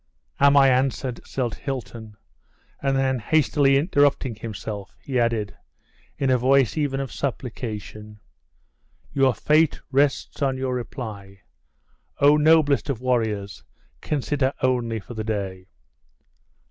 "Am I answered?" said Hilton, and then hastily interrupting himself, he added, in a voice even of supplication; "your fate rests on your reply! Oh! noblest of warriors, consider only for the day!"